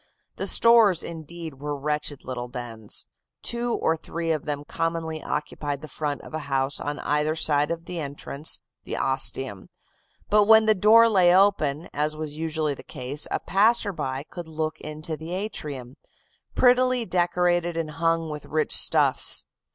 The stores, indeed, were wretched little dens. Two or three of them commonly occupied the front of a house on either side of the entrance, the ostium; but when the door lay open, as was usually the case, a passerby could look into the atrium, prettily decorated and hung with rich stuffs.